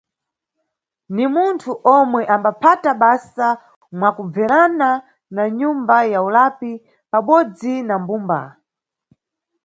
Ni munthu omwe ambaphata basa mwakubverana na nyumba ya ulapi pabodzi na mbumba.